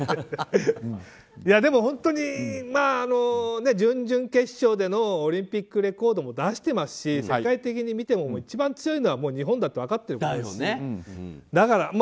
でも本当に準々決勝でのオリンピックレコードも出してますし、世界的に見ても一番強いのは日本だって分かってますから。